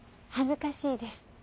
恥ずかしいです。